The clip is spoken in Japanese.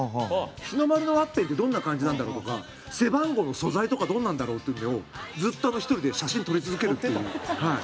日の丸のワッペンってどんな感じなんだろう？とか背番号の素材とかどんなのだろう？っていうのをずっと１人で写真撮り続けるっていう。